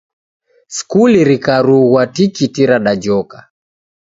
Skuli rikakarughwa tikiti radajoka.